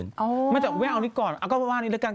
แต่ถ้าเจอมดดำให้รางวัลประมาณห้าบนพี่แม่พี่แมน